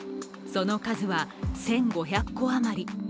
その数は１５００戸余り。